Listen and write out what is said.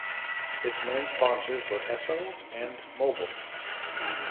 Its main sponsors were Esso and Mobil.